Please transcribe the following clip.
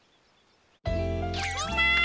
みんな！